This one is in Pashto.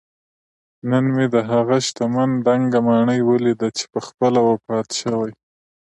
نن مې دهغه شتمن دنګه ماڼۍ ولیده چې پخپله وفات شوی